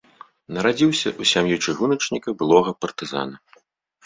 Нарадзіўся ў сям'і чыгуначніка, былога партызана.